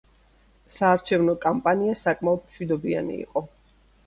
საარჩევნო კამპანია საკმაოდ მშვიდობიანი იყო.